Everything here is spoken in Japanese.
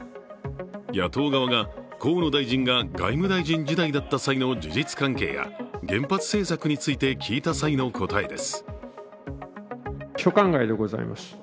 野党側が河野大臣が外務大臣時代だった際の事実関係や原発政策について聞いた際の答えです。